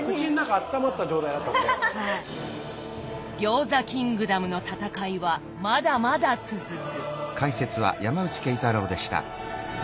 餃子キングダムの戦いはまだまだ続く。